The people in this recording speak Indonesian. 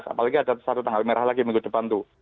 apalagi ada satu tanggal merah lagi minggu depan tuh